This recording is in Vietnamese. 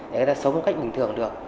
để người ta sống một cách bình thường được